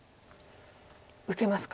受けますか？